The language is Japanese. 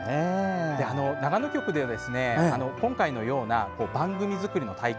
長野局で今回のような番組作りの体験